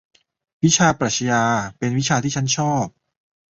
วิชาปรัขญาเป็นวิชาที่ฉันชอบ